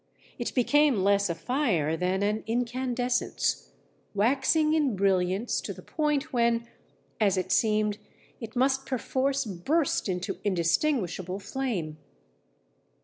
It became less a fire than an incandescence, waxing in brilliance to the point when, as it seemed, it must perforce burst into indistinguishable flame.